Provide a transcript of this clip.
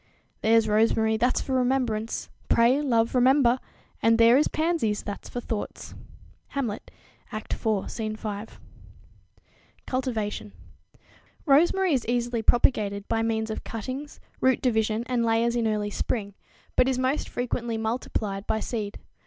"There's rosemary, that's for remembrance; pray, love, remember: And there is pansies, that's for thoughts." Hamlet, Act iv, Scene 5. Cultivation. Rosemary is easily propagated by means of cuttings, root division and layers in early spring, but is most frequently multiplied by seed.